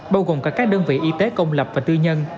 bao gồm cả các đơn vị y tế công lập và tư nhân